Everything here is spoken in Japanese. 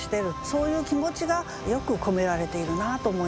そういう気持ちがよく込められているなと思いました。